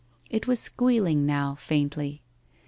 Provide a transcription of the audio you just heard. It was squealing now, faintly.